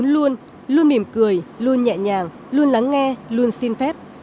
bốn luôn luôn mỉm cười luôn nhẹ nhàng luôn lắng nghe luôn xin phép